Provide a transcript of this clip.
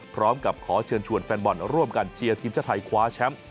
พร้อมกับขอเชิญชวนแฟนบอลร่วมกันเชียร์ทีมชาติไทยคว้าแชมป์